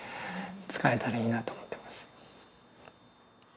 使えたらいいなと思ってます。